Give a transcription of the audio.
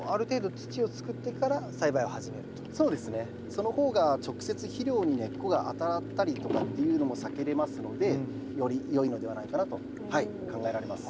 その方が直接肥料に根っこが当たったりとかっていうのも避けれますのでよりよいのではないかなと考えられます。